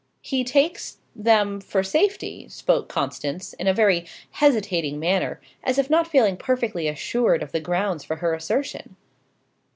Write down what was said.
"He takes them for safety," spoke Constance, in a very hesitating manner, as if not feeling perfectly assured of the grounds for her assertion.